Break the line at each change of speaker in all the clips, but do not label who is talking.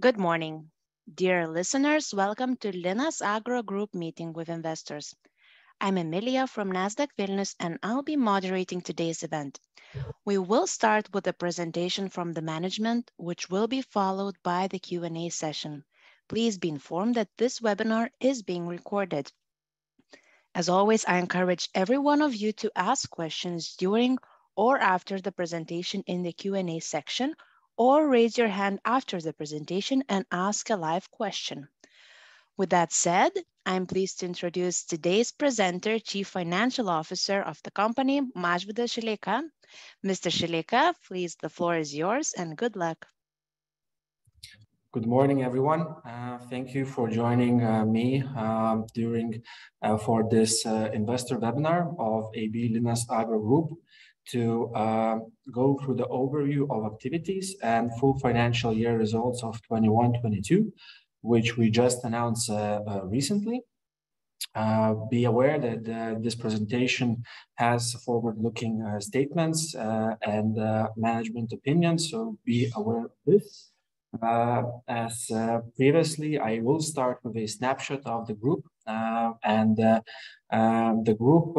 Good morning, dear listeners. Welcome to Akola Group meeting with investors. I'm Emilia from Nasdaq Vilnius, and I'll be moderating for today's event. We will start with a presentation from the management, which will be followed by the Q&A session. Please be informed that this webinar is being recorded. As always, I encourage every one of you to ask questions during or after the presentation in the Q&A section or raise your hand after the presentation and ask a live question. With that said, I'm pleased to introduce today's presenter, Chief Financial Officer of the company, Mažvydas Šileika. Mr. Šileika, please, the floor is yours and good luck.
Good morning, everyone. Thank you for joining me for this investor webinar of Akola Group to go through the overview of activities and full financial year results of 2021-2022, which we just announced recently. Be aware that this presentation has forward-looking statements and management opinions, so be aware of this. As previously, I will start with a snapshot of the group, and the group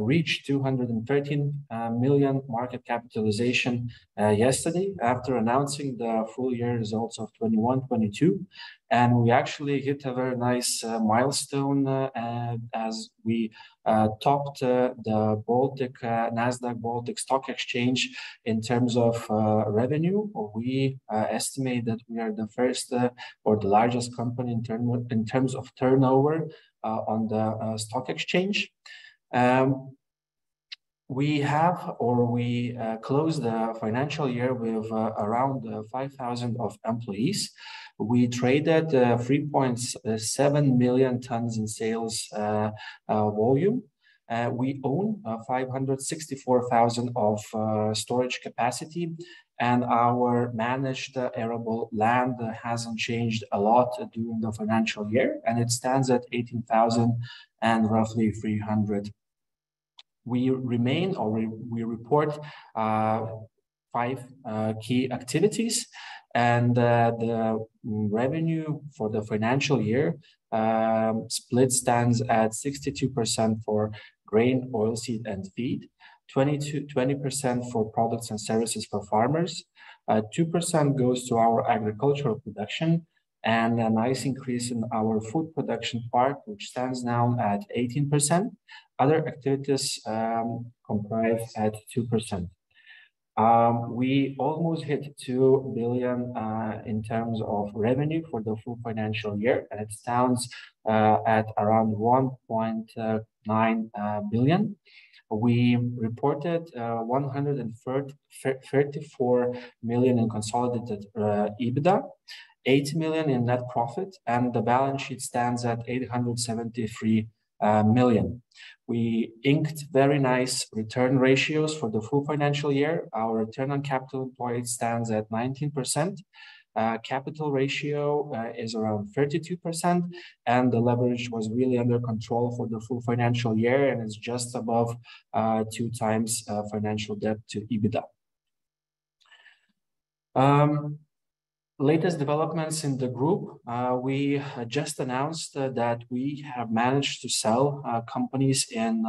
reached 213 million market capitalization yesterday after announcing the full year results of 2021-2022. We actually hit a very nice milestone as we topped the Baltic Nasdaq Baltic Stock Exchange in terms of revenue. We estimate that we are the first or the largest company in terms of turnover on the stock exchange. We closed the financial year with around 5,000 employees. We traded 3.7 million tons in sales volume. We own 564,000 storage capacity, and our managed arable land hasn't changed a lot during the financial year, and it stands at 18,000 and roughly 300. We report five key activities and the revenue for the financial year split stands at 62% for Grain, Oilseed and Feed, 20%-20% for Products and Services for Farming. 2% goes to our Agricultural Production and a nice increase in our Food production part, which stands now at 18%. Other activities comprise at 2%. We almost hit 2 billion in terms of revenue for the full financial year, and it stands at around 1.9 billion. We reported 134 million in consolidated EBITDA, 80 million in net profit, and the balance sheet stands at 873 million. We inked very nice return ratios for the full financial year. Our Return on Capital Employed stands at 19%. Capital ratio is around 32%, and the leverage was really under control for the full financial year and is just above 2 times financial debt to EBITDA. Latest developments in the group, we just announced that we have managed to sell companies in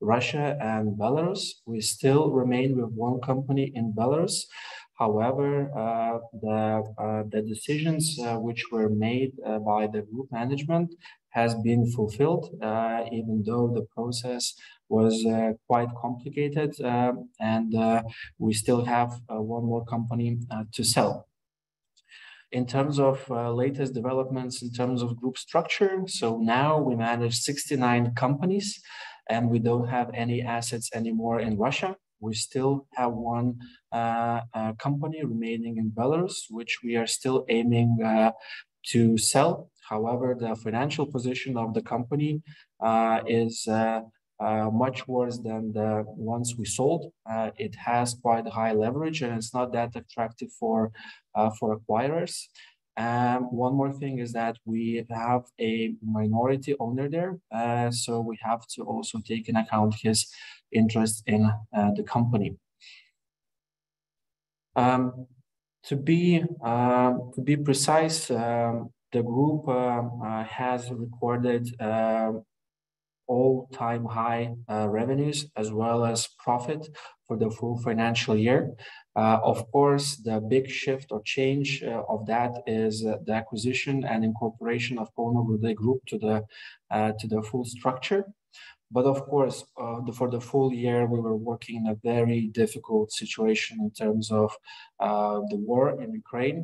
Russia and Belarus. We still remain with one company in Belarus. However, the decisions which were made by the group management has been fulfilled, even though the process was quite complicated, and we still have one more company to sell. In terms of latest developments in terms of group structure, now we manage 69 companies and we don't have any assets anymore in Russia. We still have one company remaining in Belarus, which we are still aiming to sell. However, the financial position of the company is much worse than the ones we sold. It has quite high leverage, and it's not that attractive for acquirers. One more thing is that we have a minority owner there, so we have to also take into account his interest in the company. To be precise, the group has recorded all-time high revenues as well as profit for the full financial year. Of course, the big shift or change of that is the acquisition and incorporation of AB Kauno Grūdai to the full structure. Of course, for the full year, we were working in a very difficult situation in terms of the war in Ukraine,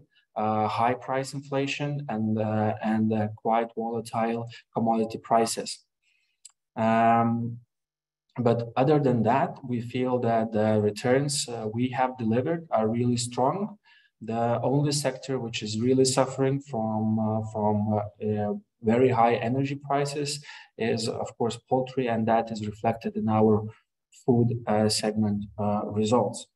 high price inflation and quite volatile commodity prices. Other than that, we feel that the returns we have delivered are really strong. The only sector which is really suffering from very high energy prices is, of course, poultry, and that is reflected in our Food segment results.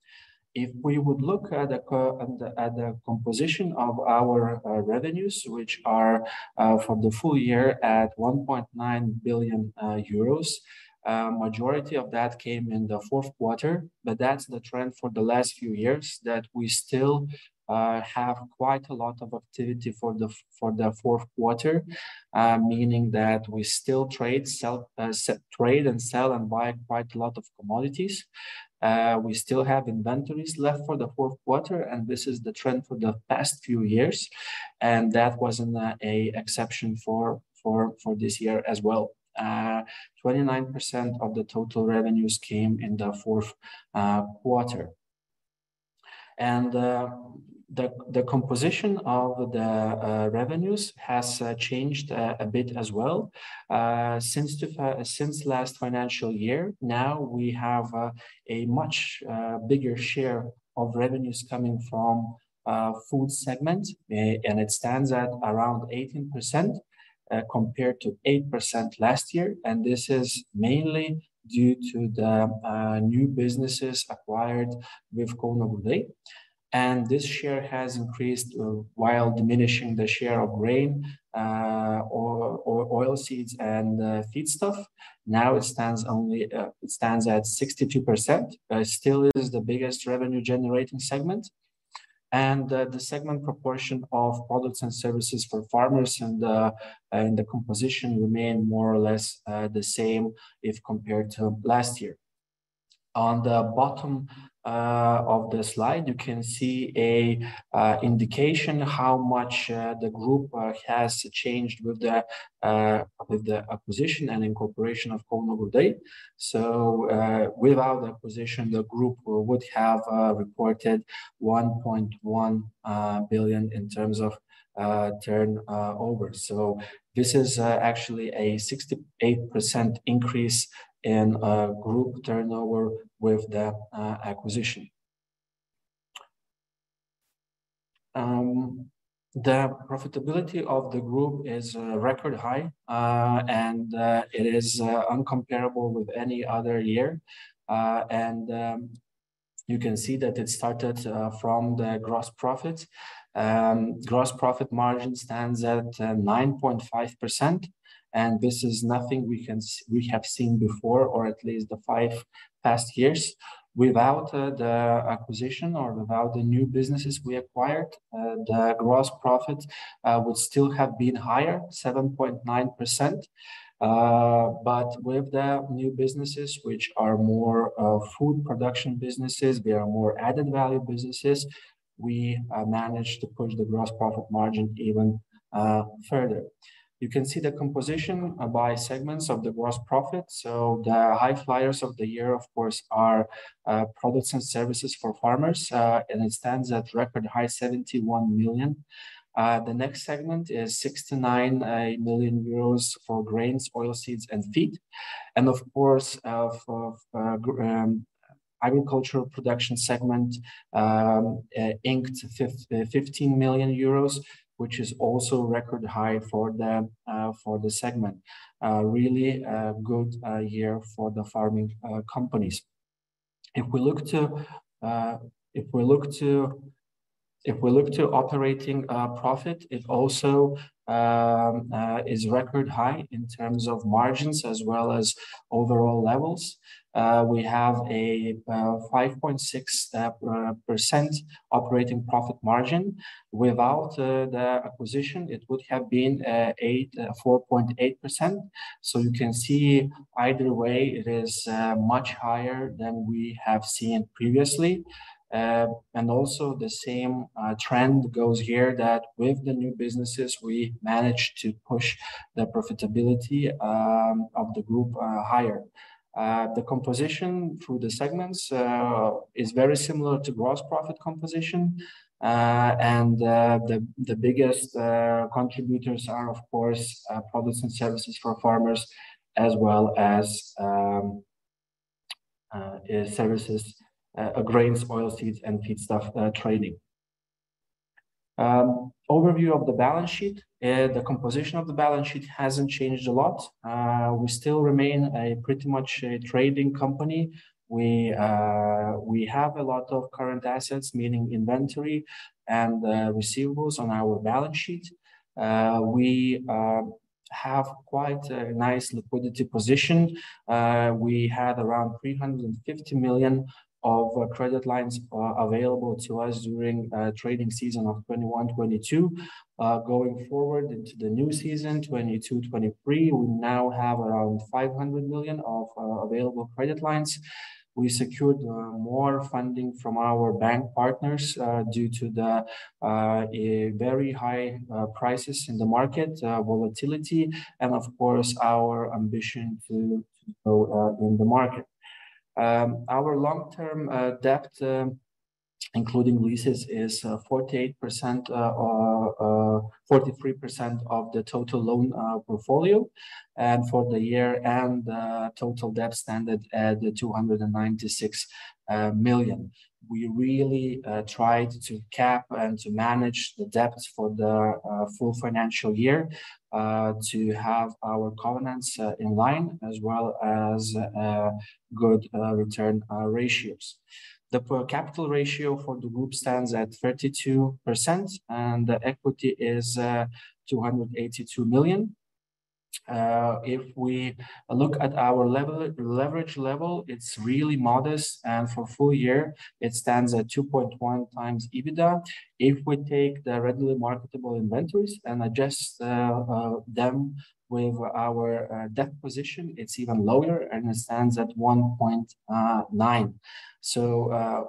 If we would look at the composition of our revenues, which are for the full year at 1.9 billion euros, majority of that came in the fourth quarter. That's the trend for the last few years, that we still have quite a lot of activity for the fourth quarter, meaning that we still trade and sell and buy quite a lot of commodities. We still have inventories left for the fourth quarter, and this is the trend for the past few years, and that wasn't an exception for this year as well. 29% of the total revenues came in the fourth quarter. The composition of the revenues has changed a bit as well. Since last financial year, now we have a much bigger share of revenues coming from food segment, and it stands at around 18%, compared to 8% last year. This is mainly due to the new businesses acquired with AB Kauno Grūdai. This share has increased while diminishing the share of grain, oilseeds and feed. Now it stands only at 62%, still the biggest revenue generating segment. The segment proportion of Products and Services for Farming and the composition remain more or less the same if compared to last year. On the bottom of the slide, you can see an indication how much the group has changed with the acquisition and incorporation of AB Kauno Grūdai. Without the acquisition, the group would have reported 1.1 billion in terms of turnover. This is actually a 68% increase in group turnover with the acquisition. The profitability of the group is record high and it is incomparable with any other year. You can see that it started from the gross profit. Gross profit margin stands at 9.5%, and this is nothing we have seen before, or at least the past five years. Without the acquisition or without the new businesses we acquired, the gross profit would still have been higher, 7.9%. With the new businesses, which are more food production businesses, they are more added value businesses, we managed to push the gross profit margin even further. You can see the composition by segments of the gross profit. The high flyers of the year, of course, are products and services for farmers, and it stands at record high 71 million. The next segment is 69 million euros for grains, oilseeds and feed. Of course, for agricultural production segment, 15 million euros, which is also record high for the segment. Really good year for the farming companies. If we look to operating profit, it also is record high in terms of margins as well as overall levels. We have a 5.6% operating profit margin. Without the acquisition, it would have been 4.8%. You can see either way it is much higher than we have seen previously. Also the same trend goes here that with the new businesses, we managed to push the profitability of the group higher. The composition through the segments is very similar to gross profit composition. The biggest contributors are, of course, Products and Services for Farming, as well as Grain, Oilseed and Feed. Overview of the balance sheet. The composition of the balance sheet hasn't changed a lot. We still remain pretty much a trading company. We have a lot of current assets, meaning inventory and receivables on our balance sheet. We have quite a nice liquidity position. We had around 350 million of credit lines available to us during trading season of 2021-2022. Going forward into the new season, 2022-2023, we now have around 500 million of available credit lines. We secured more funding from our bank partners due to the very high prices in the market, volatility, and of course, our ambition to grow in the market. Our long-term debt, including leases is 48% or 43% of the total loan portfolio. For year-end, total debt stood at 296 million. We really tried to cap and to manage the debt for the full financial year to have our covenants in line, as well as good return ratios. The return on capital ratio for the group stands at 32%, and the equity is 282 million. If we look at our leverage level, it's really modest, and for full year it stands at 2.1x EBITDA. If we take the readily marketable inventories and adjust them with our debt position, it's even lower and it stands at 1.9.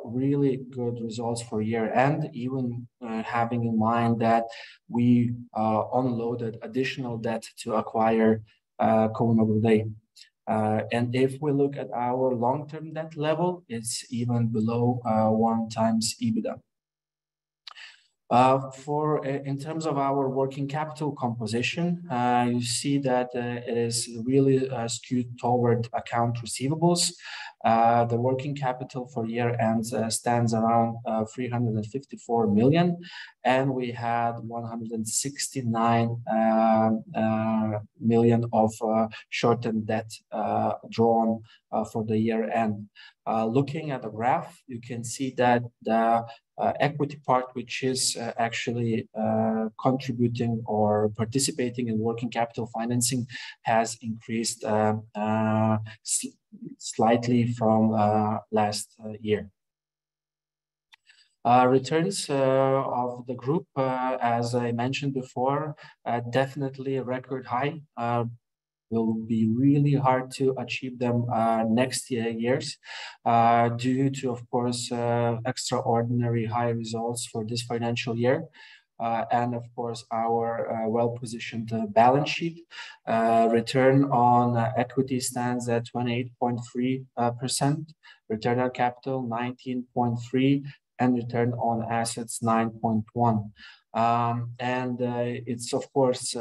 Really good results for year-end, even having in mind that we unloaded additional debt to acquire Kronoberg, Sweden.. If we look at our long-term debt level, it's even below 1x EBITDA. For in terms of our working capital composition, you see that it is really skewed toward accounts receivable. The working capital for year-end stands around 354 million, and we had 169 million of short-term debt drawn for the year-end. Looking at the graph, you can see that the equity part, which is actually contributing or participating in working capital financing, has increased slightly from last year. Returns of the group, as I mentioned before, definitely a record high. Will be really hard to achieve them next years due to, of course, extraordinary high results for this financial year and of course our well-positioned balance sheet. Return on Equity stands at 28.3%, Return on Capital 19.3%, and Return on Assets 9.1%. It's of course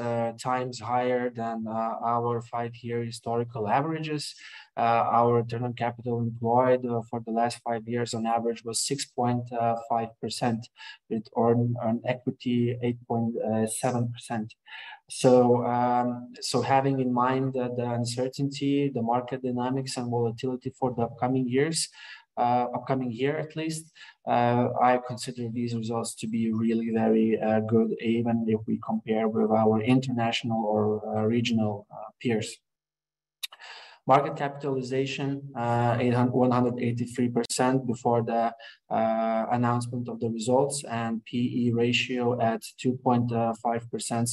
times higher than our five-year historical averages. Our Return on Capital Employed for the last five years on average was 6.5% with earned equity 8.7%. So having in mind the uncertainty, the market dynamics and volatility for the upcoming years, upcoming year at least, I consider these results to be really very good even if we compare with our international or regional peers. Market Capitalization, 183% before the announcement of the results and P/E ratio at 2.5%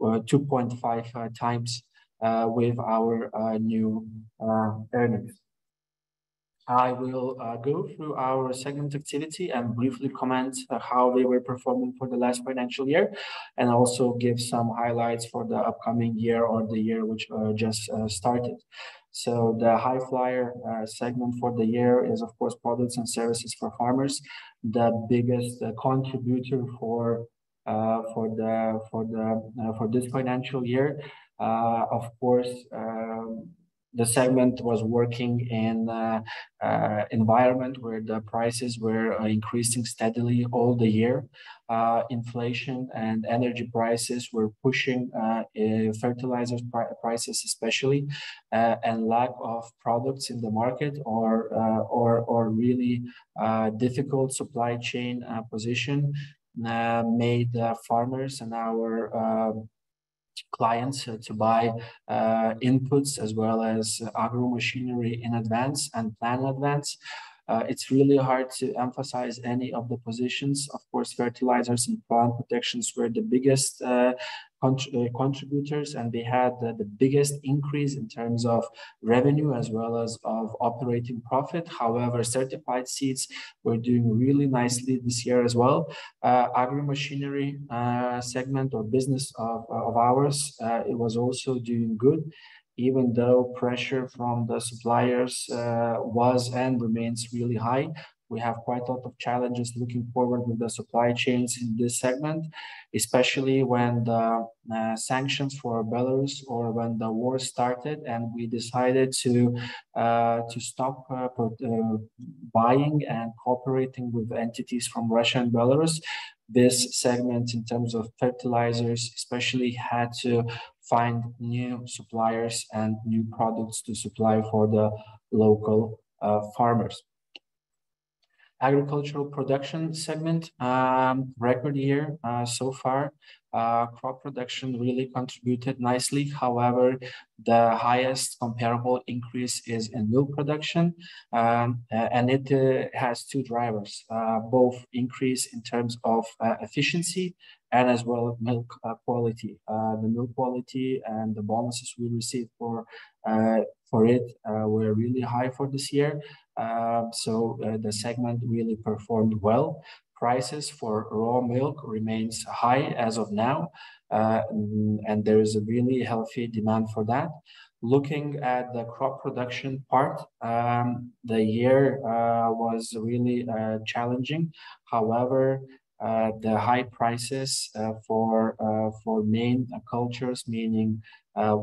or 2.5 times, with our new earnings. I will go through our segment activity and briefly comment how they were performing for the last financial year and also give some highlights for the upcoming year or the year which just started. The high flyer segment for the year is of course Products and Services for Farming. The biggest contributor for this financial year. Of course, the segment was working in environment where the prices were increasing steadily all the year. Inflation and energy prices were pushing fertilizers prices especially, and lack of products in the market or really difficult supply chain position made farmers and our clients to buy inputs as well as agro machinery in advance and plan advance. It's really hard to emphasize any of the positions. Of course, fertilizers and plant protections were the biggest contributors, and they had the biggest increase in terms of revenue as well as of operating profit. However, certified seeds were doing really nicely this year as well. AB Linas Agro. machinery segment or business of ours it was also doing good, even though pressure from the suppliers was and remains really high. We have quite a lot of challenges looking forward with the supply chains in this segment, especially when the sanctions for Belarus or when the war started and we decided to stop buying and cooperating with entities from Russia and Belarus. This segment in terms of fertilizers especially had to find new suppliers and new products to supply for the local farmers. Agricultural Production segment, record year so far. Crop production really contributed nicely. However, the highest comparable increase is in milk production, and it has two drivers, both increase in terms of efficiency and as well milk quality. The milk quality and the bonuses we received for it were really high for this year. The segment really performed well. Prices for raw milk remains high as of now, and there is a really healthy demand for that. Looking at the crop production part, the year was really challenging. However, the high prices for main crops, meaning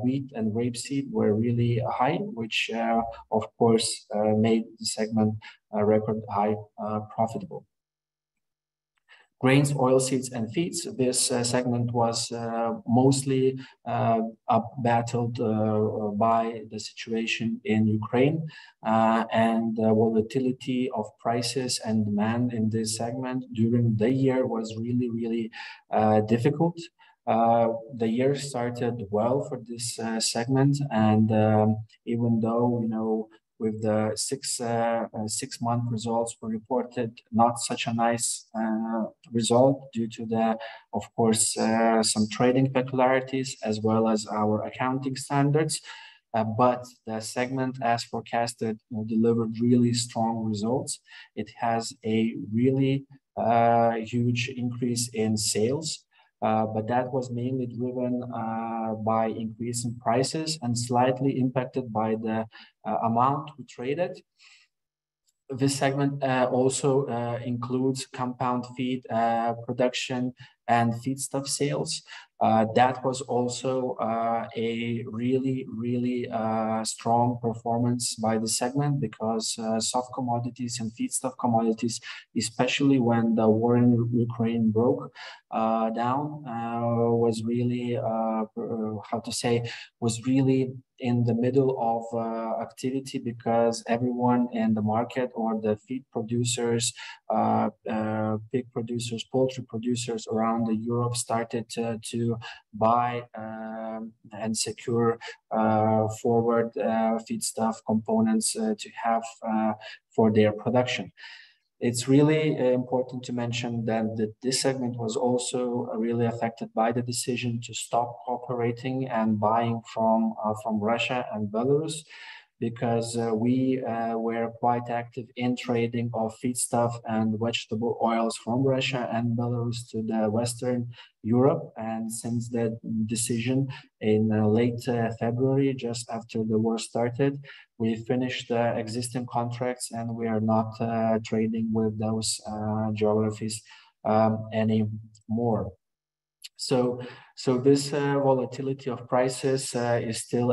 wheat and rapeseed were really high, which of course made the segment record high profitable. Grains, oilseeds and feeds. This segment was mostly battered by the situation in Ukraine. Volatility of prices and demand in this segment during the year was really, really difficult. The year started well for this segment. Even though, you know, with the 6-month results were reported not such a nice result due to the, of course some trading peculiarities as well as our accounting standards. The segment as forecasted, you know, delivered really strong results. It has a really huge increase in sales, but that was mainly driven by increase in prices and slightly impacted by the amount we traded. This segment also includes compound feed production and feedstock sales. That was also a really strong performance by the segment because soft commodities and feedstock commodities, especially when the war in Ukraine broke down, was really how to say, was really in the middle of activity because everyone in the market or the feed producers, pig producers, poultry producers around the Europe started to buy and secure forward feedstock components to have for their production. It's really important to mention that this segment was also really affected by the decision to stop cooperating and buying from Russia and Belarus, because we were quite active in trading of feedstock and vegetable oils from Russia and Belarus to Western Europe. Since that decision in late February, just after the war started, we finished the existing contracts, and we are not trading with those geographies anymore. This volatility of prices is still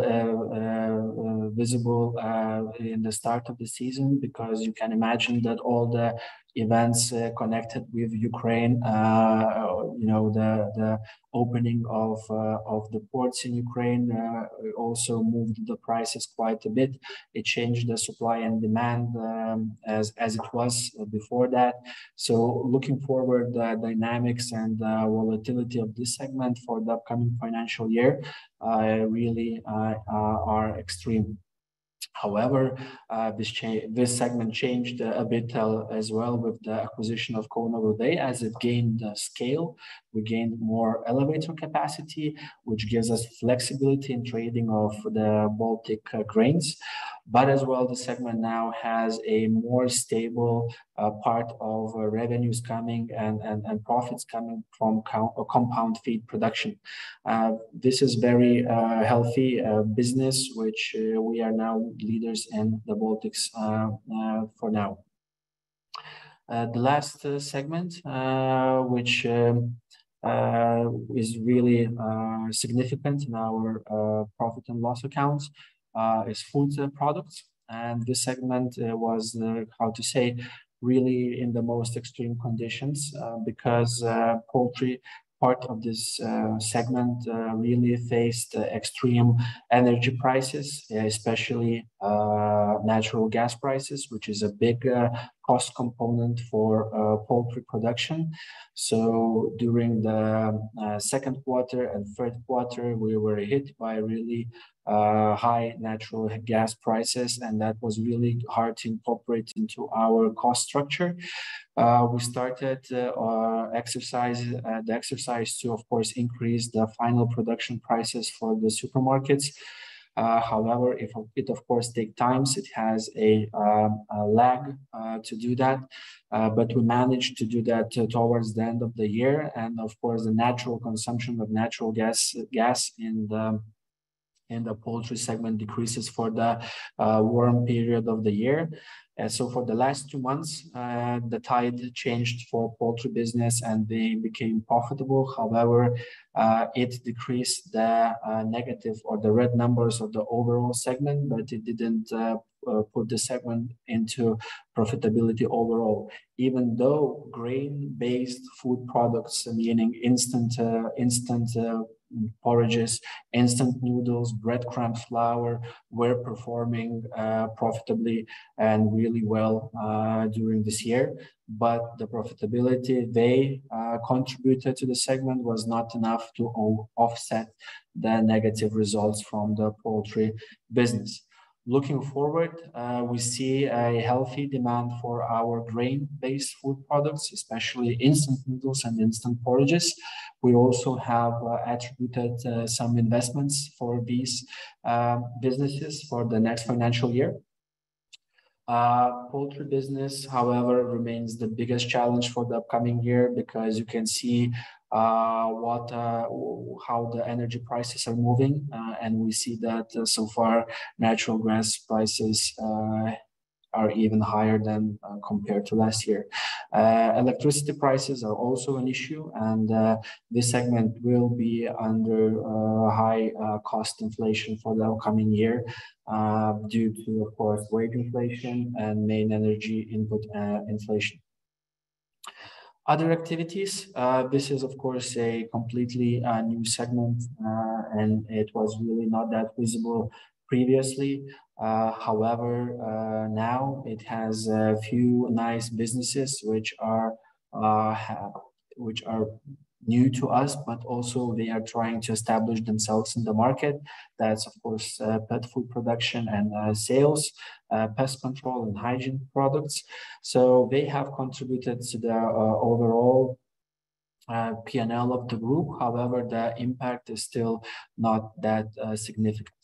visible in the start of the season because you can imagine that all the events connected with Ukraine, you know, the opening of the ports in Ukraine, also moved the prices quite a bit. It changed the supply and demand as it was before that. Looking forward, the dynamics and the volatility of this segment for the upcoming financial year really are extreme. However, this segment changed a bit as well with the acquisition of AB Kauno Grūdai. As it gained scale, we gained more elevator capacity, which gives us flexibility in trading of the Baltic grains. As well, the segment now has a more stable part of revenues coming and profits coming from compound feed production. This is very healthy business, which we are now leaders in the Baltics for now. The last segment, which is really significant in our profit and loss accounts, is foods and products. This segment was, how to say, really in the most extreme conditions, because poultry part of this segment really faced extreme energy prices, especially natural gas prices, which is a big cost component for poultry production. During the second quarter and third quarter, we were hit by really high natural gas prices, and that was really hard to incorporate into our cost structure. We started the exercise to of course increase the final production prices for the supermarkets. However, if it of course takes time, it has a lag to do that. We managed to do that towards the end of the year. Of course, the natural consumption of natural gas in the poultry segment decreases for the warm period of the year. For the last two months, the tide changed for poultry business, and they became profitable. However, it decreased the negative or the red numbers of the overall segment, but it didn't put the segment into profitability overall. Even though grain-based food products, meaning instant porridges, instant noodles, breadcrumbs, flour, were performing profitably and really well during this year. The profitability they contributed to the segment was not enough to offset the negative results from the poultry business. Looking forward, we see a healthy demand for our grain-based food products, especially instant noodles and instant porridges. We also have allocated some investments for these businesses for the next financial year. Poultry business, however, remains the biggest challenge for the upcoming year because you can see how the energy prices are moving, and we see that so far natural gas prices are even higher than compared to last year. Electricity prices are also an issue, and this segment will be under high cost inflation for the upcoming year due to of course wage inflation and main energy input inflation. Other activities, this is of course a completely new segment, and it was really not that visible previously. However, now it has a few nice businesses which are new to us, but also they are trying to establish themselves in the market. That's of course pet food production and sales, pest control and hygiene products. They have contributed to the overall PNL of the group. However, the impact is still not that significant.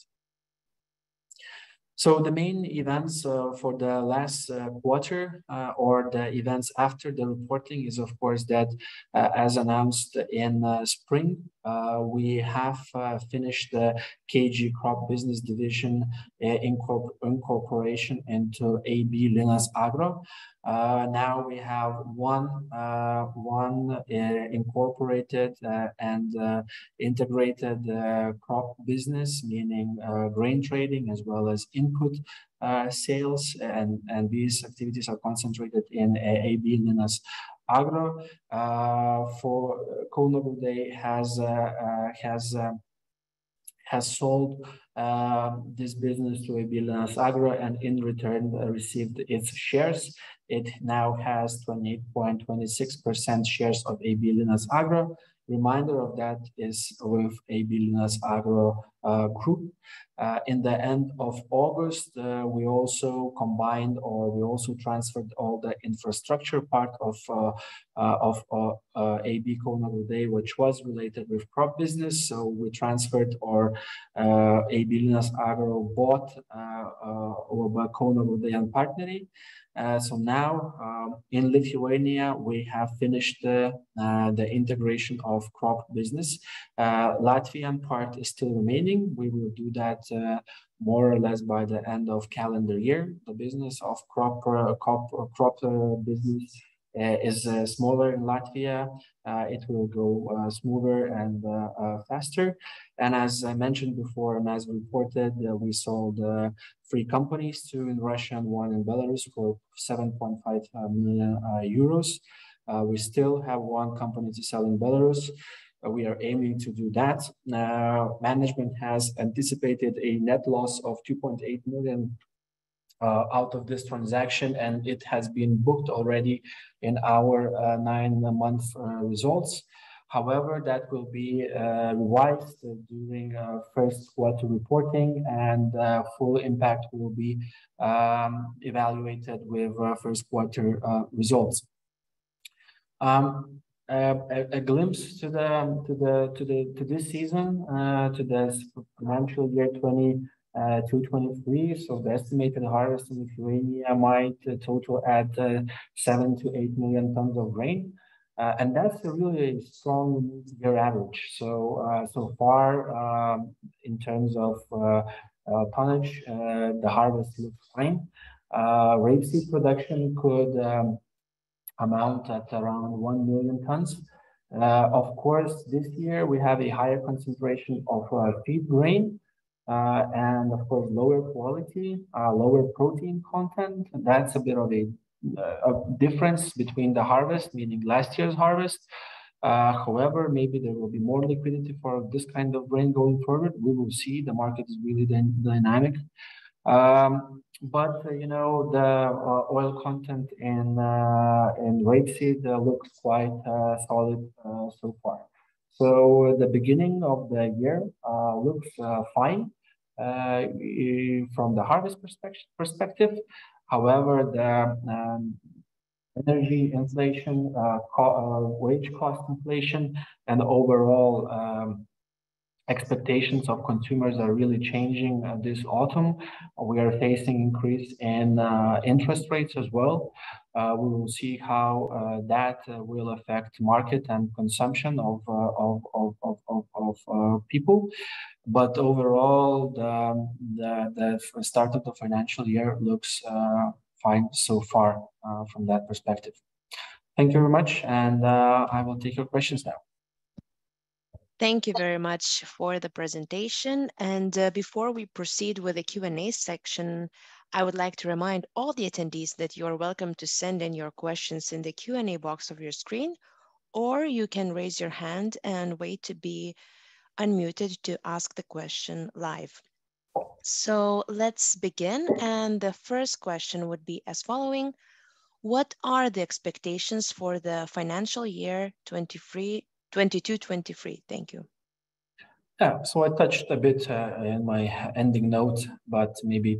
The main events for the last quarter or the events after the reporting is of course that, as announced in spring, we have finished the KG Crop business division incorporation into AB Linas Agro. Now we have one incorporated and integrated crop business, meaning grain trading as well as input sales. These activities are concentrated in AB Linas Agro. AB Kauno Grūdai has sold this business to AB Linas Agro, and in return received its shares. It now has 20.26% shares of AB Linas Agro. Reminder of that is with AB Linas Agro Group. In the end of August, we also transferred all the infrastructure part of AB Kauno Grūdai, which was related with crop business. AB Linas Agro bought AB Kauno Grūdai ir Partneriai. Now, in Lithuania, we have finished the integration of crop business. Latvian part is still remaining. We will do that more or less by the end of calendar year. The business of crop business is smaller in Latvia. It will go smoother and faster. As I mentioned before, and as reported, we sold three companies, two in Russia and one in Belarus for 7.5 million euros. We still have one company to sell in Belarus. We are aiming to do that. Now, management has anticipated a net loss of 2.8 million out of this transaction, and it has been booked already in our nine-month results. However, that will be revised during our first quarter reporting and full impact will be evaluated with our first quarter results. A glimpse to this season to this financial year 2022-2023. The estimated harvest in Lithuania might total at 7-8 million tons of grain. That's a really strong year average. So far, in terms of tonnage, the harvest looks fine. Rapeseed production could amount at around 1 million tons. Of course, this year we have a higher concentration of feed grain, and of course, lower quality, lower protein content. That's a bit of a difference between the harvest, meaning last year's harvest. However, maybe there will be more liquidity for this kind of grain going forward. We will see. The market is really dynamic. You know, the oil content in rapeseed looks quite solid so far. The beginning of the year looks fine from the harvest perspective. However, the energy inflation, wage cost inflation and overall expectations of consumers are really changing this autumn. We are facing increase in interest rates as well. We will see how that will affect market and consumption of people. Overall, the start of the financial year looks fine so far from that perspective. Thank you very much. I will take your questions now.
Thank you very much for the presentation. Before we proceed with the Q&A section, I would like to remind all the attendees that you are welcome to send in your questions in the Q&A box of your screen, or you can raise your hand and wait to be unmuted to ask the question live. Let's begin. The first question would be as follows: What are the expectations for the financial year 2023, 2022/2023? Thank you.
I touched a bit in my ending note, but maybe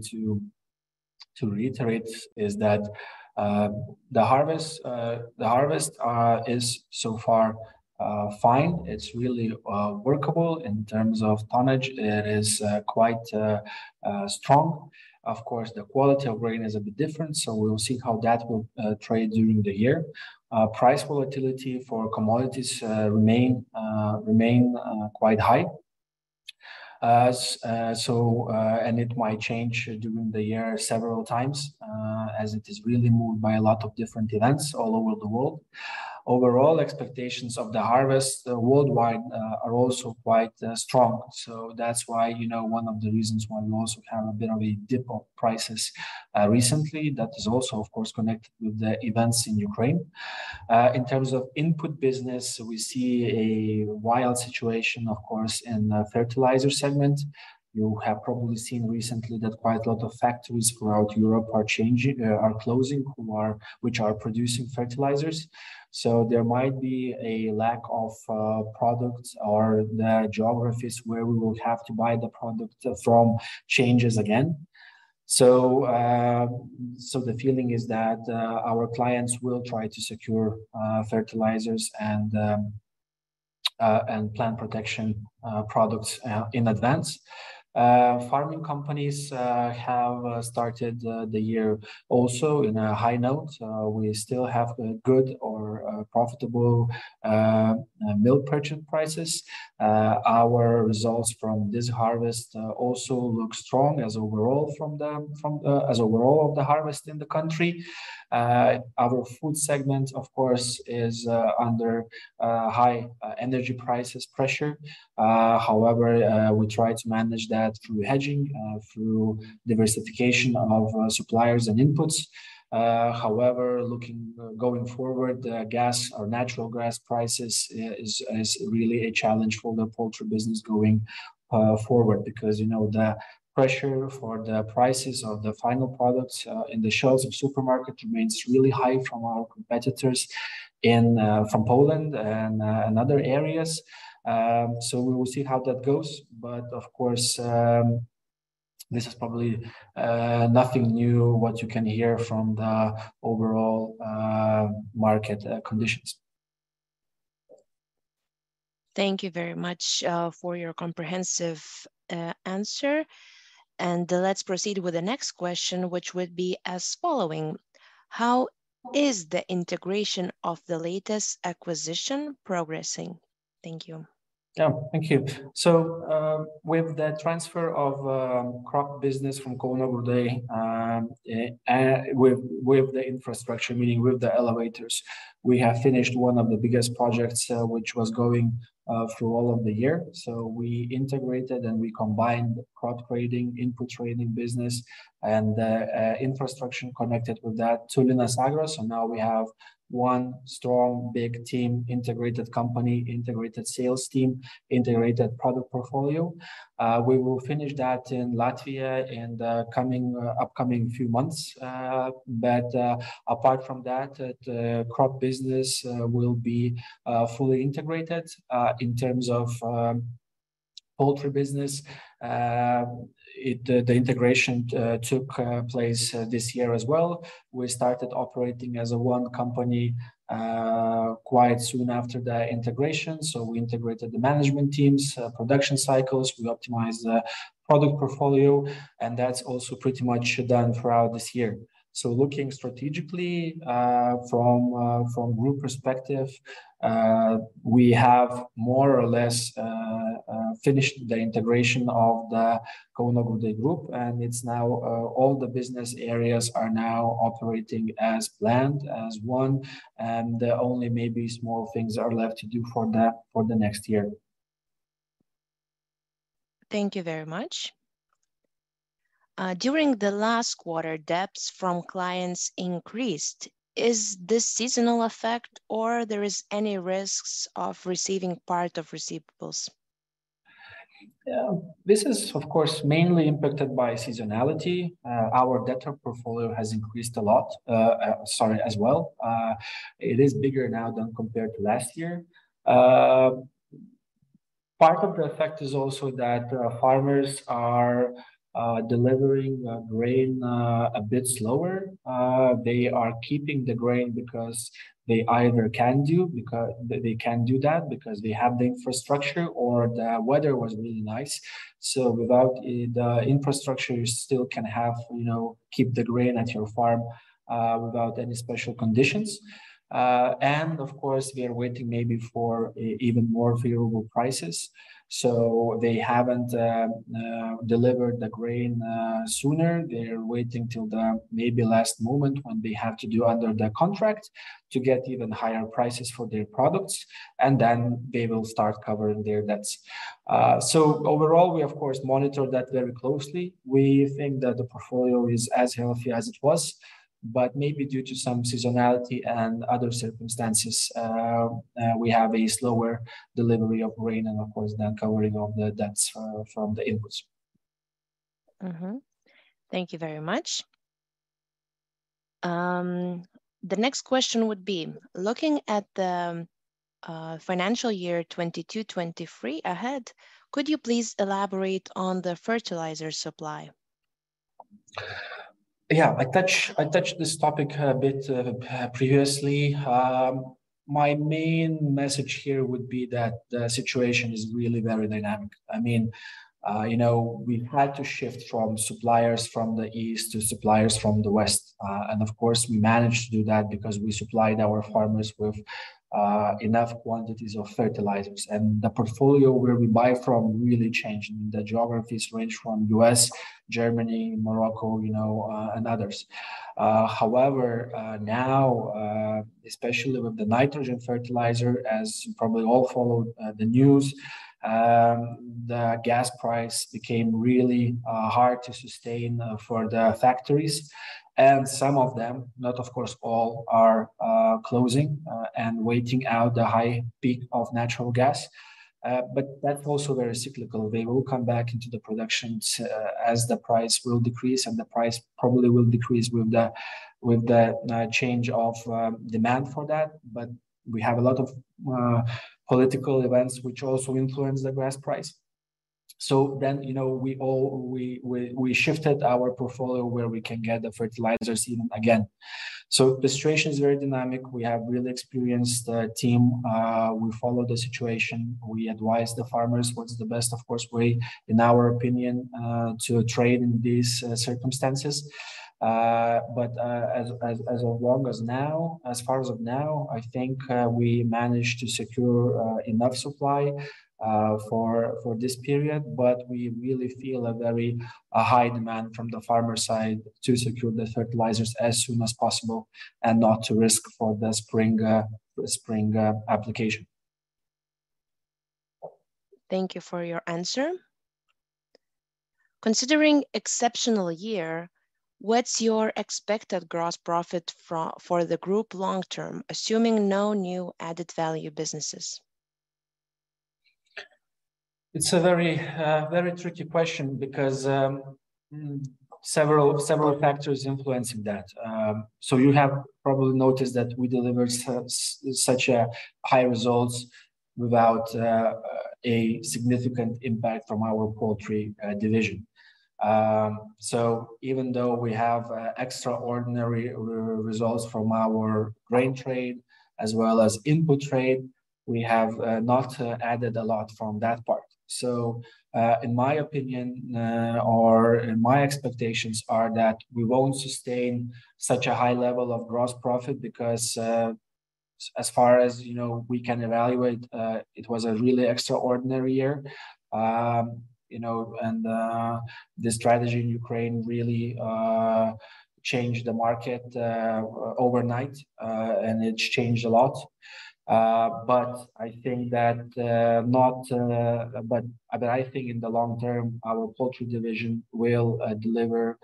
to reiterate is that the harvest is so far fine. It's really workable in terms of tonnage. It is quite strong. Of course, the quality of grain is a bit different, so we'll see how that will trade during the year. Price volatility for commodities remain quite high, and it might change during the year several times, as it is really moved by a lot of different events all over the world. Overall expectations of the harvest worldwide are also quite strong. That's why you know, one of the reasons why we also have a bit of a dip of prices recently. That is also of course connected with the events in Ukraine. In terms of input business, we see a wild situation, of course, in the fertilizer segment. You have probably seen recently that quite a lot of factories throughout Europe are closing which are producing fertilizers. There might be a lack of products or the geographies where we will have to buy the product from changes again. The feeling is that our clients will try to secure fertilizers and plant protection products in advance. Farming companies have started the year also on a high note. We still have a good or profitable milk purchase prices. Our results from this harvest also look strong as overall from them from. As for the overall harvest in the country. Our food segment, of course, is under high energy price pressure. However, we try to manage that through hedging, through diversification of suppliers and inputs. However, looking forward the gas or natural gas prices is really a challenge for the poultry business going forward because, you know the pressure on the prices of the final products on the shelves of supermarkets remains really high from our competitors and from Poland and other areas. We will see how that goes. Of course, this is probably nothing new what you can hear from the overall market conditions.
Thank you very much for your comprehensive answer. Let's proceed with the next question, which would be as follows: How is the integration of the latest acquisition progressing? Thank you.
Yeah. Thank you. With the transfer of crop business from AB Kauno Grūdai, with the infrastructure, meaning with the elevators, we have finished one of the biggest projects, which was going through all of the year. We integrated and we combined crop trading, input trading business and infrastructure connected with that to AB Linas Agro. Now we have one strong, big team, integrated company, integrated sales team, integrated product portfolio. We will finish that in Latvia in the coming, upcoming few months. Apart from that, the crop business will be fully integrated. In terms of poultry business, the integration took place this year as well. We started operating as a one company, quite soon after the integration. We integrated the management teams, production cycles. We optimized the product portfolio, and that's also pretty much done throughout this year. Looking strategically, from group perspective, we have more or less finished the integration of the AB Kauno Grūdai group, and it's now all the business areas are now operating as planned, as one and only maybe small things are left to do for the next year.
Thank you very much. During the last quarter, debts from clients increased. Is this seasonal effect or there is any risks of receiving part of receivables?
Yeah. This is of course mainly impacted by seasonality. Our debtor portfolio has increased a lot, sorry, as well. It is bigger now than compared to last year. Part of the effect is also that farmers are delivering grain a bit slower. They are keeping the grain because they can do that because they have the infrastructure or the weather was really nice. Without the infrastructure, you still can have, you know, keep the grain at your farm without any special conditions. And of course we are waiting maybe for even more favorable prices. They haven't delivered the grain sooner. They're waiting till the maybe last moment when they have to do under the contract to get even higher prices for their products, and then they will start covering their debts. Overall, we of course monitor that very closely. We think that the portfolio is as healthy as it was, but maybe due to some seasonality and other circumstances, we have a slower delivery of grain and of course then covering of the debts from the inputs.
Thank you very much. The next question would be, looking at the financial year 2022, 2023 ahead, could you please elaborate on the fertilizer supply?
I touched this topic a bit previously. My main message here would be that the situation is really very dynamic. You know, we've had to shift from suppliers from the East to suppliers from the West. Of course we managed to do that because we supplied our farmers with enough quantities of fertilizers. The portfolio where we buy from really changed. I mean, the geographies range from U.S., Germany, Morocco, and others. However, now especially with the nitrogen fertilizer, as you probably all followed the news, the gas price became really hard to sustain for the factories. Some of them, not of course all, are closing and waiting out the high peak of natural gas. That's also very cyclical. They will come back into the production as the price will decrease, and the price probably will decrease with the change of demand for that. We have a lot of political events which also influence the gas price. You know, we shifted our portfolio where we can get the fertilizers in again. The situation is very dynamic. We have really experienced team. We follow the situation. We advise the farmers what's the best, of course, way, in our opinion, to trade in these circumstances. As of now we managed to secure enough supply for this period. We really feel a high demand from the farmer side to secure the fertilizers as soon as possible and not to risk for the spring application.
Thank you for your answer. Considering exceptional year, what's your expected gross profit for the group long-term, assuming no new added value businesses?
It's a very tricky question because several factors influencing that. You have probably noticed that we delivered such high results without a significant impact from our poultry division. Even though we have extraordinary results from our grain trade as well as input trade, we have not added a lot from that part. In my opinion and my expectations are that we won't sustain such a high level of gross profit because as far as you know we can evaluate it was a really extraordinary year. You know the strategy in Ukraine really changed the market overnight. It's changed a lot. I think that not. I think in the long term, our poultry division will deliver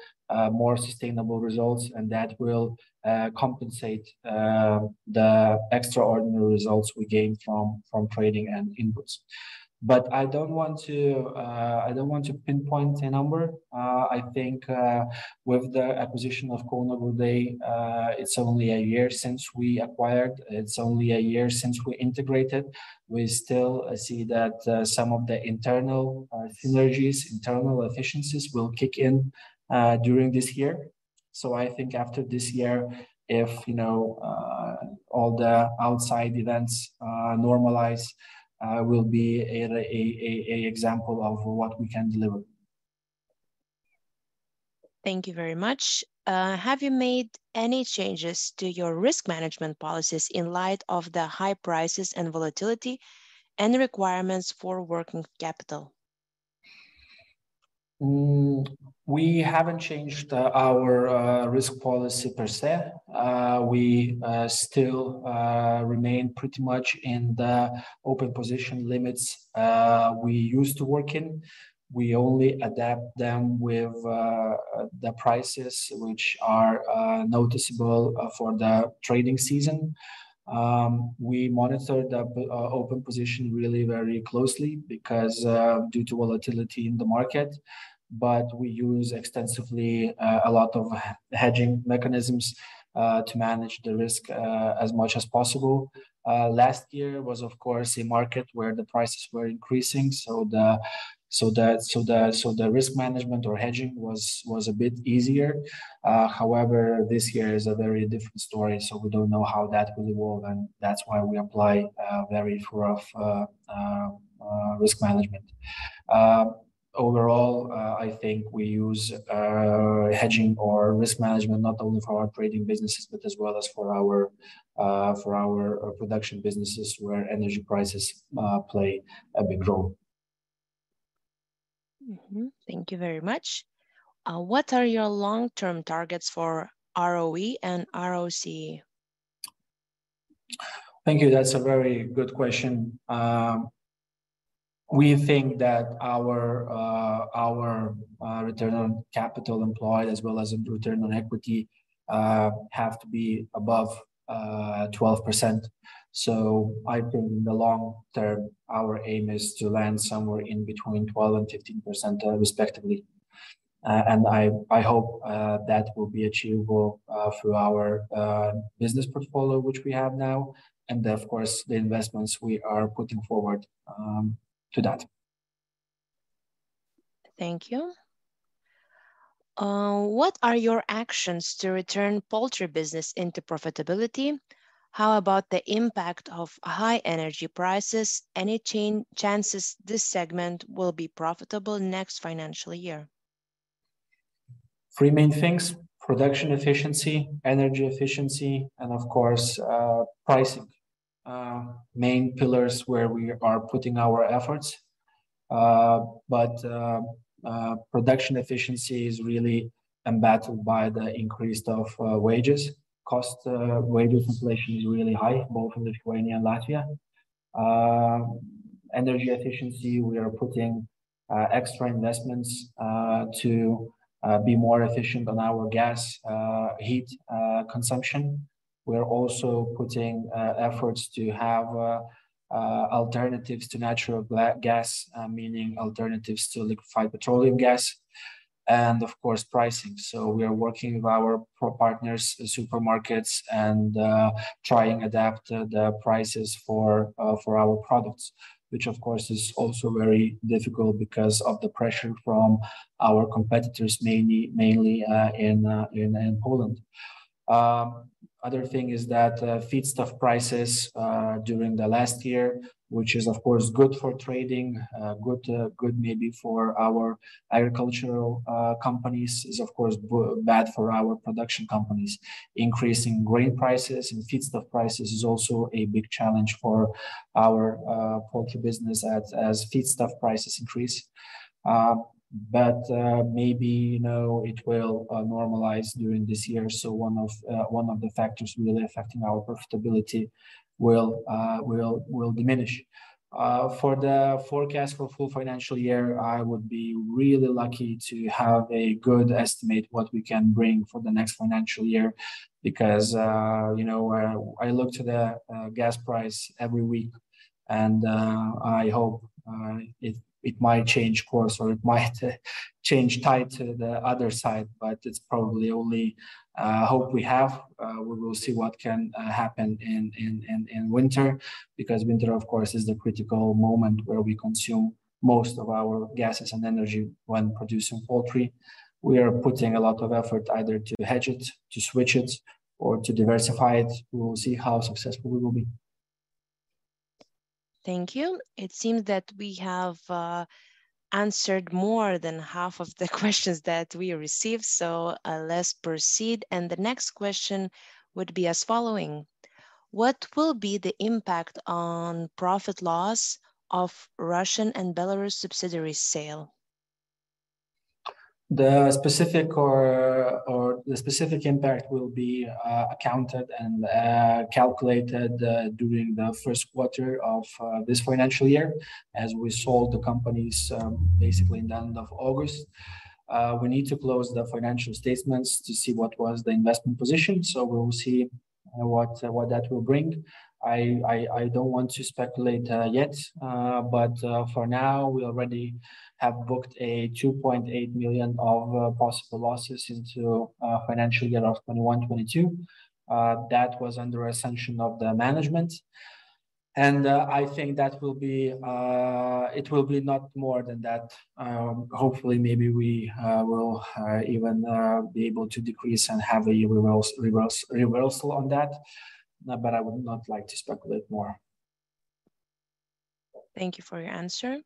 more sustainable results, and that will compensate the extraordinary results we gained from trading and inputs. I don't want to pinpoint a number. I think with the acquisition of AB Kauno Grūdai, it's only a year since we acquired. It's only a year since we integrated. We still see that some of the internal synergies, internal efficiencies will kick in during this year. I think after this year, if you know all the outside events normalize, we'll be at an example of what we can deliver.
Thank you very much. Have you made any changes to your risk management policies in light of the high prices and volatility and requirements for working capital?
We haven't changed our risk policy per se. We still remain pretty much in the open position limits we used to work in. We only adapt them with the prices which are noticeable for the trading season. We monitor the open position really very closely because due to volatility in the market, but we use extensively a lot of hedging mechanisms to manage the risk as much as possible. Last year was, of course, a market where the prices were increasing, so the risk management or hedging was a bit easier. However, this year is a very different story, so we don't know how that will evolve, and that's why we apply a very robust risk management. Overall, I think we use hedging or risk management not only for our trading businesses, but as well as for our production businesses where energy prices play a big role.
Thank you very much. What are your long-term targets for ROE and ROC?
Thank you. That's a very good question. We think that our Return on Capital Employed as well as Return on Equity have to be above 12%. I think in the long term, our aim is to land somewhere in between 12%-15%, respectively. I hope that will be achievable through our business portfolio, which we have now and, of course, the investments we are putting forward to that.
Thank you. What are your actions to return poultry business into profitability? How about the impact of high energy prices? Any chances this segment will be profitable next financial year?
Three main things, production efficiency, energy efficiency, and of course, pricing, main pillars where we are putting our efforts. Production efficiency is really embattled by the increase of wages. Wages inflation is really high, both in Lithuania and Latvia. Energy efficiency, we are putting extra investments to be more efficient on our gas, heat consumption. We're also putting efforts to have alternatives to natural gas, meaning alternatives to liquefied natural gas. Of course pricing. We are working with our partners, supermarkets, and trying adapt the prices for our products, which of course is also very difficult because of the pressure from our competitors mainly in Poland. Other thing is that feedstock prices during the last year, which is of course good for trading, good maybe for our agricultural companies, is of course bad for our production companies. Increasing grain prices and feedstock prices is also a big challenge for our poultry business as feedstock prices increase. Maybe it will normalize during this year, so one of the factors really affecting our profitability will diminish. For the forecast for full financial year, I would be really lucky to have a good estimate what we can bring for the next financial year because, you know, I look to the gas price every week and I hope it might change course or it might change tide to the other side, but it's probably only hope we have. We will see what can happen in winter because winter of course is the critical moment where we consume most of our gases and energy when producing poultry. We are putting a lot of effort either to hedge it, to switch it, or to diversify it. We will see how successful we will be.
Thank you. It seems that we have answered more than half of the questions that we received, so let's proceed. The next question would be as follows: What will be the impact on profit and loss of Russian and Belarus subsidiary sale?
The specific impact will be accounted and calculated during the first quarter of this financial year, as we sold the companies basically in the end of August. We need to close the financial statements to see what was the investment position, so we will see what that will bring. I don't want to speculate yet. For now, we already have booked 2.8 million of possible losses into financial year of 2021, 2022. That was under assumption of the management. I think that will be not more than that. Hopefully, maybe we will even be able to decrease and have a reversal on that, but I would not like to speculate more.
Thank you for your answer.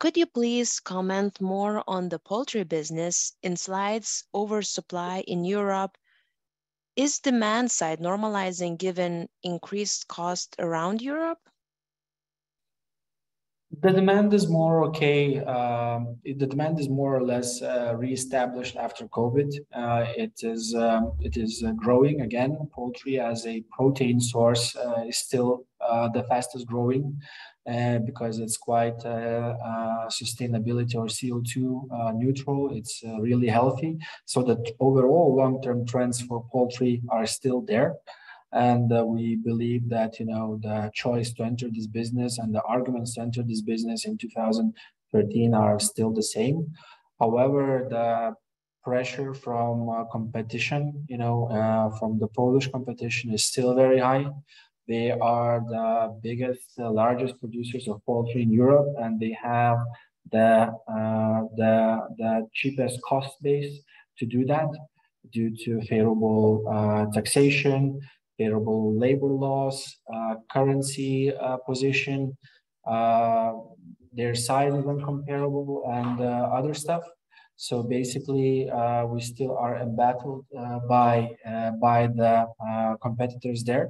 Could you please comment more on the poultry business in light of oversupply in Europe? Is demand side normalizing given increased cost around Europe?
The demand is more or less reestablished after COVID. It is growing again. Poultry as a protein source is still the fastest growing because it's quite sustainable or CO2 neutral. It's really healthy. The overall long-term trends for poultry are still there and we believe that, you know, the choice to enter this business and the arguments to enter this business in 2013 are still the same. However, the pressure from competition, you know, from the Polish competition is still very high. They are the biggest, largest producers of poultry in Europe, and they have the cheapest cost base to do that due to favorable taxation, favorable labor laws, currency position. Their size is incomparable and other stuff. Basically, we still are embattled by the competitors there.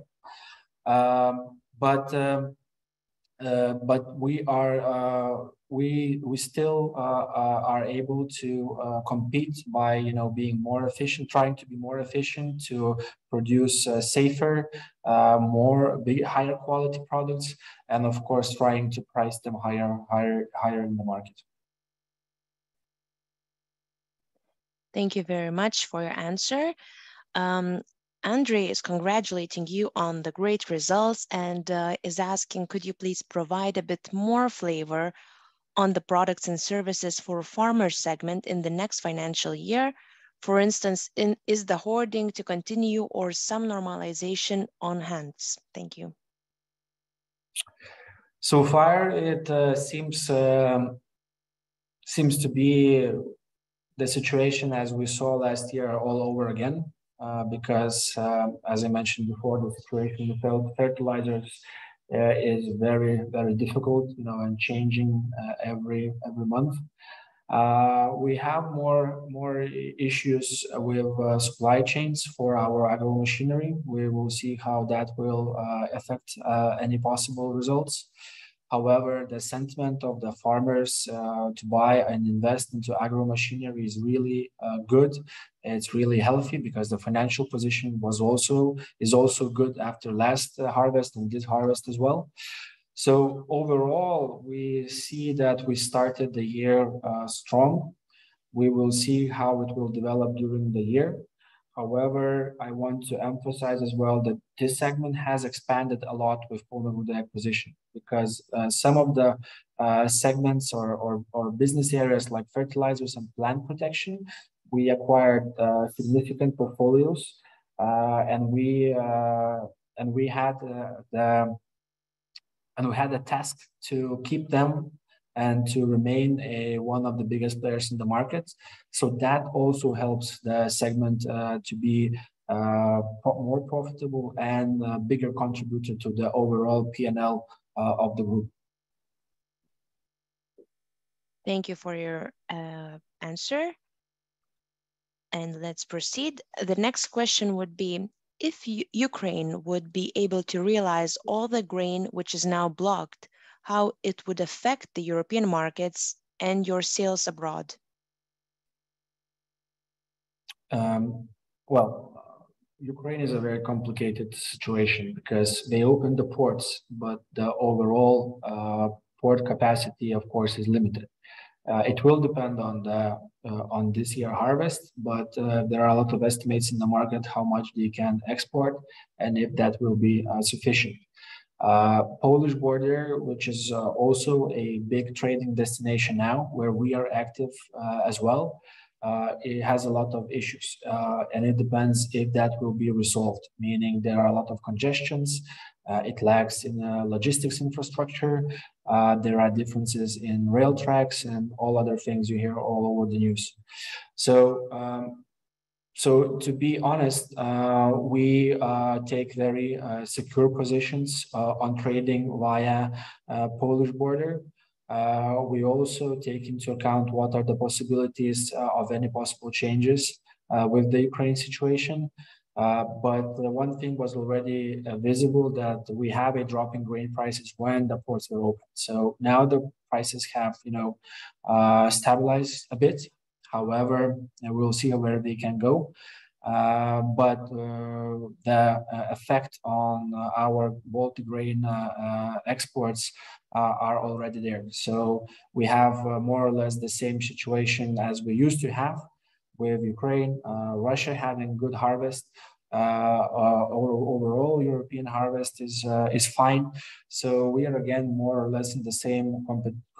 We still are able to compete by you know, being more efficient, trying to be more efficient to produce safer, more higher quality products and of course trying to price them higher in the market.
Thank you very much for your answer. Andre is congratulating you on the great results and is asking could you please provide a bit more flavor on the Products and Services for Farming segment in the next financial year? For instance, is the hoarding to continue or some normalization on-hand? Thank you.
So far it seems to be the situation as we saw last year all over again, because as I mentioned before, the situation with fertilizers is very difficult, you know, and changing every month. We have more issues with supply chains for our AB Linas Agro machinery. We will see how that will affect any possible results. However, the sentiment of the farmers to buy and invest into AB Linas Agro machinery is really good. It's really healthy because the financial position is also good after last harvest and this harvest as well. Overall, we see that we started the year strong. We will see how it will develop during the year. However, I want to emphasize as well that this segment has expanded a lot with Polovėja acquisition, because some of the segments or business areas like fertilizers and plant protection we acquired significant portfolios. We had a task to keep them and to remain one of the biggest players in the market. That also helps the segment to be more profitable and a bigger contributor to the overall P&L of the group.
Thank you for your answer. Let's proceed. The next question would be, if Ukraine would be able to realize all the grain which is now blocked, how it would affect the European markets and your sales abroad?
Well, Ukraine is a very complicated situation because they opened the ports, but the overall port capacity, of course, is limited. It will depend on this year's harvest, but there are a lot of estimates in the market how much they can export and if that will be sufficient. Polish border, which is also a big trading destination now where we are active as well, it has a lot of issues. It depends if that will be resolved, meaning there are a lot of congestions, it lacks in logistics infrastructure, there are differences in rail tracks and all other things you hear all over the news. To be honest, we take very secure positions on trading via Polish border. We also take into account what are the possibilities of any possible changes with the Ukraine situation. The one thing was already visible that we have a drop in grain prices when the ports were opened. Now the prices have, you know, stabilized a bit. However, and we'll see where they can go. The effect on our Baltic grain exports are already there. We have more or less the same situation as we used to have with Ukraine, Russia having good harvest. Overall European harvest is fine. We are again more or less in the same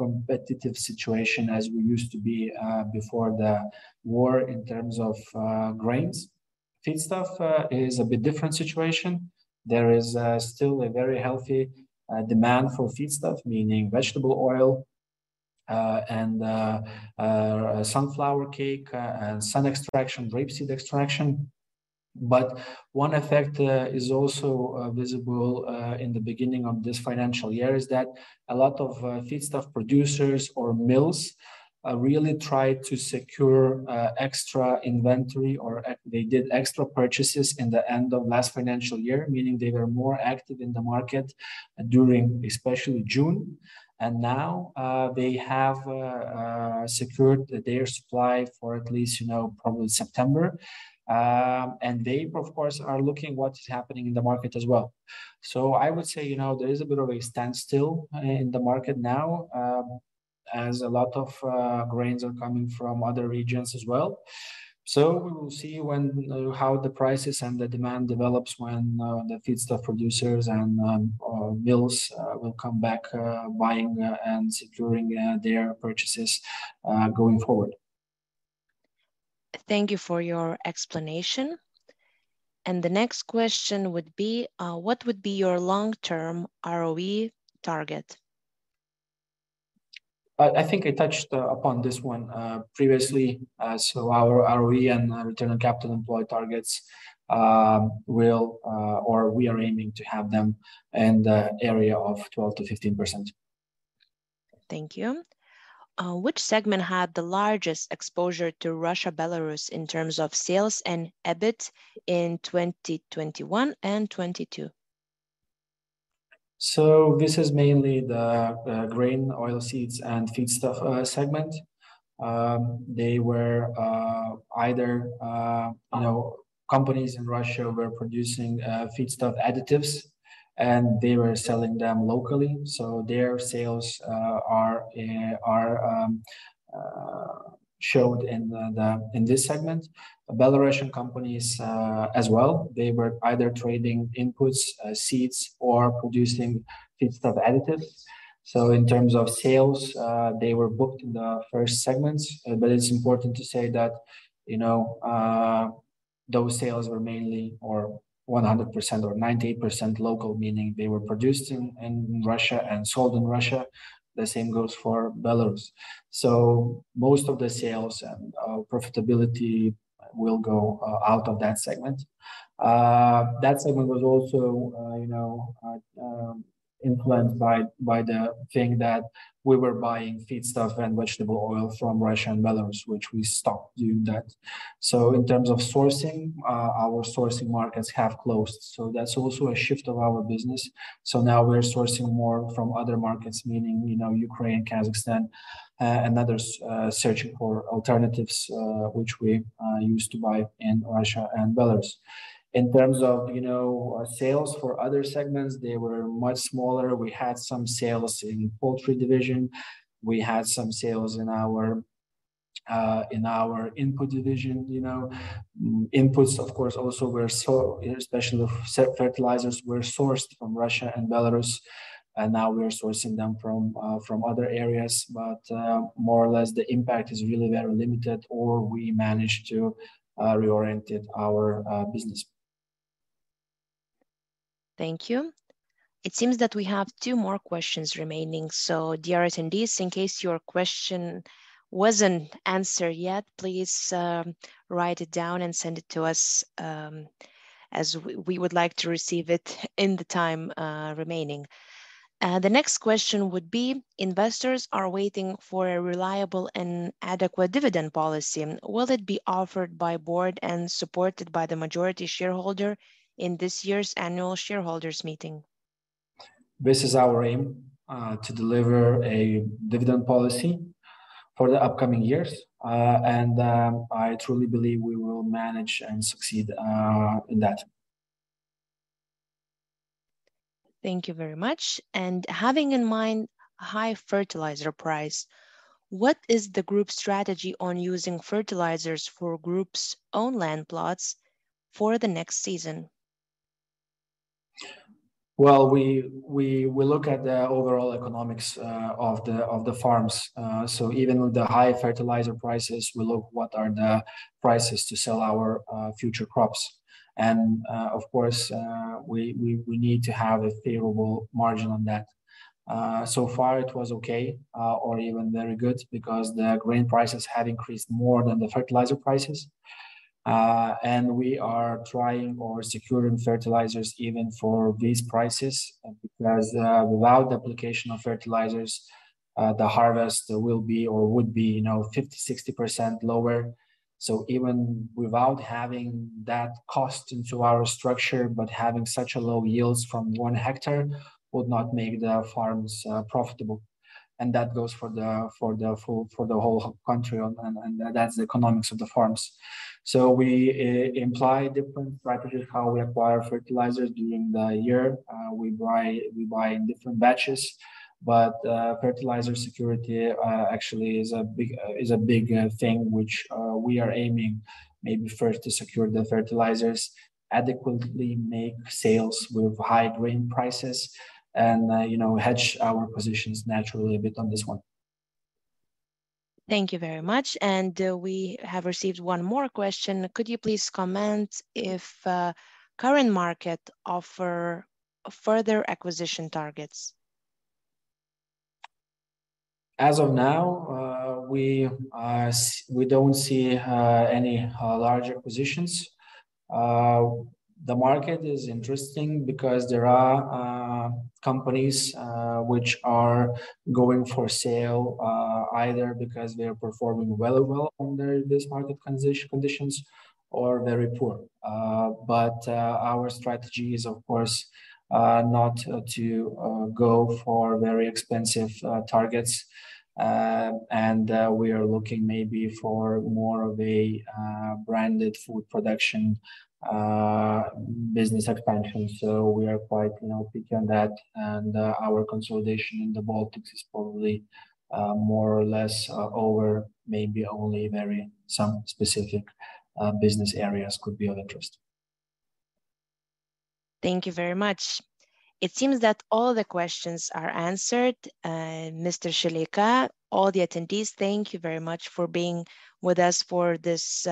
competitive situation as we used to be before the war in terms of grains. Feedstuff is a bit different situation. There is still a very healthy demand for feedstuff, meaning vegetable oil, and sunflower cake, and sunflower extraction, rapeseed extraction. One effect is also visible in the beginning of this financial year, is that a lot of feedstuff producers or mills really try to secure extra inventory, or they did extra purchases in the end of last financial year, meaning they were more active in the market during especially June. Now they have secured their supply for at least probably September. They, of course, are looking what is happening in the market as well. I would say, you know, there is a bit of a standstill in the market now, as a lot of grains are coming from other regions as well. We will see when how the prices and the demand develops when the feedstuff producers and mills will come back, buying and securing their purchases going forward.
Thank you for your explanation. The next question would be, what would be your long-term ROE target?
I think I touched upon this one previously. Our ROE and Return on Capital Employed targets or we are aiming to have them in the area of 12%-15%.
Thank you. Which segment had the largest exposure to Russia, Belarus in terms of sales and EBIT in 2021 and 2022?
This is mainly the Grain, Oilseed and Feed segment. They were either you know companies in Russia were producing feedstuff additives, and they were selling them locally. Their sales are shown in this segment. Belarusian companies as well, they were either trading inputs, seeds, or producing feedstuff additives. In terms of sales, they were booked in the first segments. It's important to say that you know those sales were mainly or 100% or 98% local, meaning they were produced in Russia and sold in Russia. The same goes for Belarus. Most of the sales and profitability will go out of that segment. That segment was also the influenced by the thing that we were buying feedstuff and vegetable oil from Russia and Belarus, which we stopped doing that. In terms of sourcing, our sourcing markets have closed. That's also a shift of our business. Now we're sourcing more from other markets, Ukraine, Kazakhstan, and others, searching for alternatives, which we used to buy in Russia and Belarus. In terms of, you know, our sales for other segments, they were much smaller. We had some sales in poultry division. We had some sales in our input division inputs of course also were. Especially seed fertilizers were sourced from Russia and Belarus, and now we're sourcing them from other areas. More or less the impact is really very limited or we managed to reorientate our business.
Thank you. It seems that we have two more questions remaining. Dear attendees, in case your question wasn't answered yet, please, write it down and send it to us, as we would like to receive it in the time remaining. The next question would be, investors are waiting for a reliable and adequate dividend policy. Will it be offered by board and supported by the majority shareholder in this year's annual shareholders meeting?
This is our aim to deliver a dividend policy for the upcoming years. I truly believe we will manage and succeed in that.
Thank you very much. Having in mind high fertilizer price, what is the group's strategy on using fertilizers for group's own land plots for the next season?
Well, we look at the overall economics of the farms. Even with the high fertilizer prices, we look what are the prices to sell our future crops. Of course, we need to have a favorable margin on that. So far it was okay, or even very good because the grain prices had increased more than the fertilizer prices. We are trying or securing fertilizers even for these prices, because without the application of fertilizers, the harvest will be or would be, you know, 50, 60% lower. Even without having that cost into our structure, but having such a low yields from one hectare would not make the farms profitable. That goes for the whole country and that's the economics of the farms. We employ different strategies how we acquire fertilizers during the year. We buy different batches, but fertilizer security actually is a big thing which we are aiming maybe first to secure the fertilizers adequately, make sales with high grain prices and you know, hedge our positions naturally a bit on this one.
Thank you very much. We have received one more question. Could you please comment if current market offer further acquisition targets?
As of now, we don't see any large acquisitions. The market is interesting because there are companies which are going for sale, either because they're performing very well under this market conditions or very poor. Our strategy is of course not to go for very expensive targets. We are looking maybe for more of a branded food production business expansion. We are quite, you know, picky on that. Our consolidation in the Baltics is probably more or less over. Maybe only some very specific business areas could be of interest.
Thank you very much. It seems that all the questions are answered. Mr. Šileika, all the attendees, thank you very much for being with us for this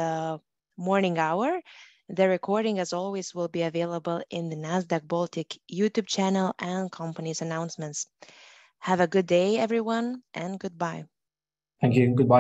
morning hour. The recording, as always, will be available in the Nasdaq Baltic YouTube channel and companies announcements. Have a good day everyone and goodbye.
Thank you. Goodbye.